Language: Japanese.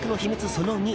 その２